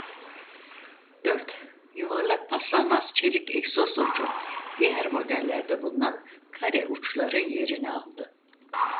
Dört yuvarlak paslanmaz çelik egzoz ucu diğer modellerde bulunan kare uçların yerini aldı.